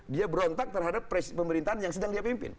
dia berontak terhadap pemerintahan yang sedang dia pimpin